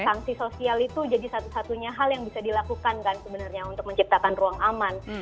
sanksi sosial itu jadi satu satunya hal yang bisa dilakukan kan sebenarnya untuk menciptakan ruang aman